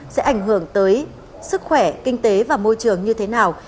sẽ ảnh hưởng tới sức khỏe kinh tế và môi trường như thế nào